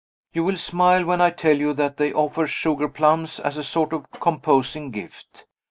You will smile when I tell you that they offer sugar plums as a sort of composing gift.